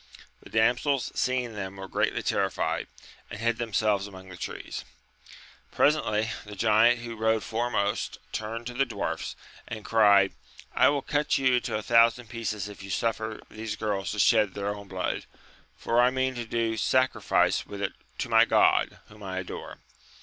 The damsels seeing them were greatly terrified, and hid themselves among the trees. Presently the giant who AMADIS OF GAUL. 29 rode foremost turned to the dwarfs, and cried, I will cut you into a thousand pieces if you suffer these girls to shed their own blood, for I mean to do sacrifice with it to my god, whom I adore.